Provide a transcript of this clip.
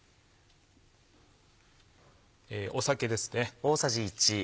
酒ですね。